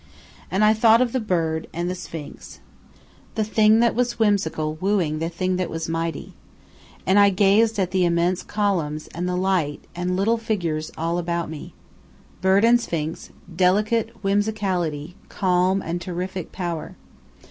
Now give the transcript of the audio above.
And I thought of the bird and the Sphinx, the thing that was whimsical wooing the thing that was mighty. And I gazed at the immense columns and at the light and little figures all about me. Bird and Sphinx, delicate whimsicality, calm and terrific power!